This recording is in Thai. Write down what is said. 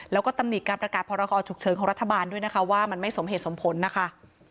แล้วก็ตำหนิการประกาศพรกรฉุกเฉินของรัฐบาลด้วยนะคะว่ามันไม่สมเหตุสมผลนะคะ